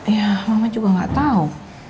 ya mama juga nggak tahu